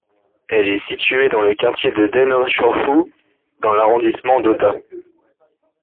Elle est située dans le quartier de Den-en-chōfu, dans l'arrondissement d'Ōta.